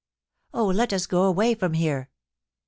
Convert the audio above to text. Oh, let us go away from here